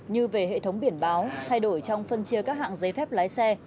như về hệ thống biển báo thay đổi trong phân chia các hạng giấy phép lái xe